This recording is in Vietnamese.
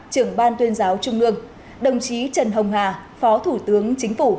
trưởng ban tuyên giáo trung ương đồng chí trần hồng hà phó thủ tướng chính phủ